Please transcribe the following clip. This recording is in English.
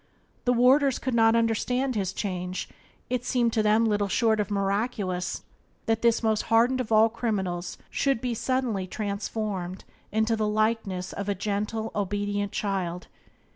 The warders could not understand his change; it seemed to them little short of miraculous that this most hardened of all criminals should suddenly be transformed into the likeness of a gentle, obedient child.